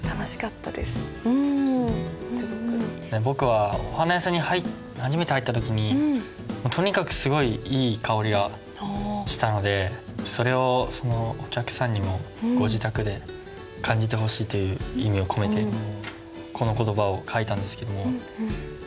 僕はお花屋さんに初めて入った時にとにかくすごいいい香りがしたのでそれをお客さんにもご自宅で感じてほしいという意味を込めてこの言葉を書いたんですけども。